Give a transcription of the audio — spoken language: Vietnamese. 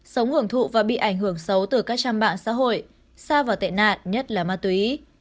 sống hưởng thụ và bị ảnh hưởng xấu từ các trang mạng xã hội xa vào tệ nạn nhất là ma túy